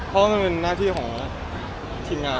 เพราะว่ามันเป็นหน้าที่ของทีมงาน